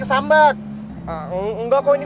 ini sudah agak ranch